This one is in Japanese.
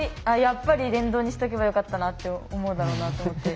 やっぱり電動にしとけばよかったなって思うだろうなと思って。